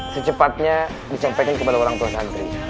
secepatnya disampaikan kepada orang tua santri